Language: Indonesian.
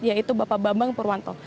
yaitu bapak bambang purwanto